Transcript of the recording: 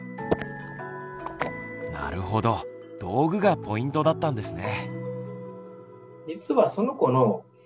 なるほど道具がポイントだったんですね。